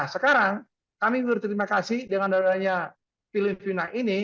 sekarang kami berterima kasih dengan adanya filipina ini